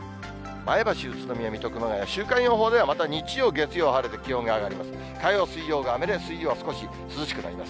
前橋、宇都宮、水戸、熊谷、週間予報ではまた日曜、月曜晴れて気温が上がります。